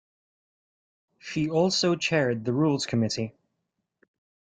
She also chaired the Rules Committee.